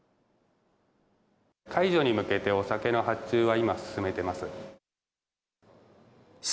解除に向けて、お酒の発注は今、進めてます。